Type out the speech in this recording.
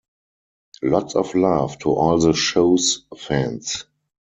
Lots of love to all the shows fans.